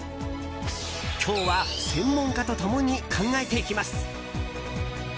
今日は専門家と共に考えていきます。